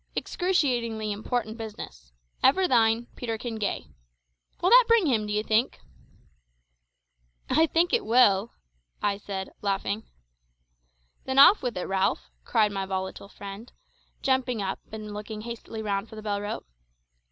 Excruciatingly important business. Ever thine Peterkin Gay.' Will that bring him, d'ye think?" "I think it will," said I, laughing. "Then off with it, Ralph," cried my volatile friend, jumping up and looking hastily round for the bell rope.